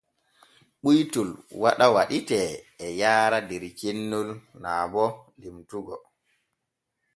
Ɓuytol waɗa waɗitee e yaara der cennol naa bo limtugo.